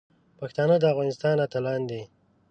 پښتانه د افغانستان اتلان دي.